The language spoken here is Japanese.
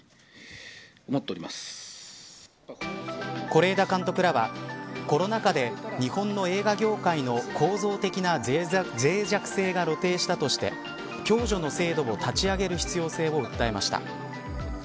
是枝監督らはコロナ禍で日本の映画業界の構造的な脆弱性が露呈したとして共助の制度を立ち上げる必要性を訴えました。